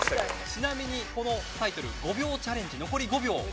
ちなみにこのタイトル５秒チャレンジ。